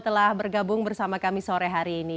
telah bergabung bersama kami sore hari ini